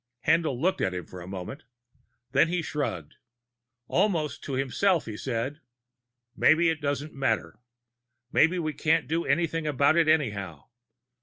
Haendl looked at him for a moment. Then he shrugged. Almost to himself, he said: "Maybe it doesn't matter. Maybe we can't do anything about it anyhow.